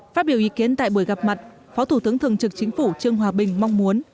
phát biểu ý kiến tại buổi gặp mặt phó thủ tướng thường trực chính phủ trương hòa bình mong muốn